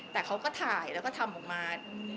แต่เขาก็ถ่ายแล้วก็ทำออกมา